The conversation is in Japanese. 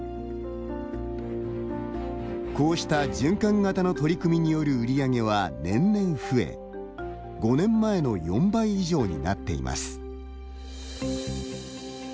こうした循環型の取り組みによる売上は年々増え５年前の４倍以上になっています。